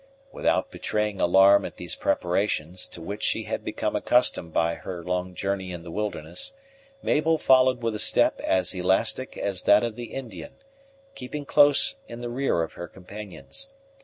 Without betraying alarm at these preparations, to which she had become accustomed by her long journey in the wilderness, Mabel followed with a step as elastic as that of the Indian, keeping close in the rear of her companions.